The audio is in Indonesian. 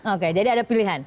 oke jadi ada pilihan